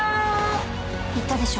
「言ったでしょ。